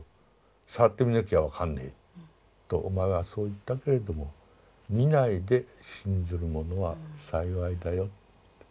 触ってみなきゃ分かんねえとお前はそう言ったけれども見ないで信ずるものは幸いだよ。